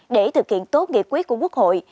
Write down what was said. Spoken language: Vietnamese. để thực hiện tốt nghỉ quyết của quốc hội